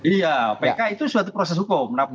iya pk itu suatu proses hukum